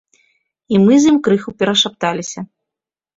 І мы з ім крыху перашапталіся.